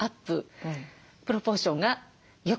プロポーションがよく見える。